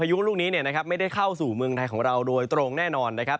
ยุลูกนี้ไม่ได้เข้าสู่เมืองไทยของเราโดยตรงแน่นอนนะครับ